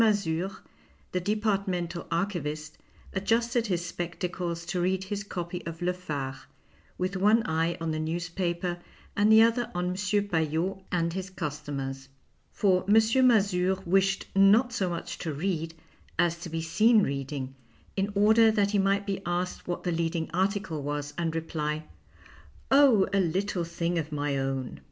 Mazure, the departmental archivist, adjusted his spectacles to read his copy of Le Phare, with one eye on the newspaper and the other on M. Paillot and his customers. For M. Mazure wished not so much to read as to be seen reading, in order that he might be asked what the leading article was and reply, " Oh, a little thing of my own."